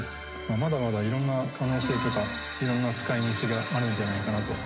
まだまだいろんな可能性とかいろんな使い道があるんじゃないかなと。